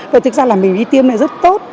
vậy thực ra là mình đi tiêm này rất tốt